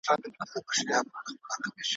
رایې کړل څلور ښکلي زامن لکه لعلونه ,